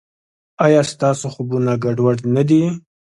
ایا ستاسو خوبونه ګډوډ نه دي؟